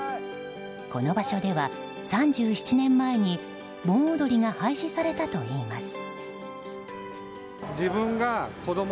この場所では３７年前に盆踊りが廃止されたといいます。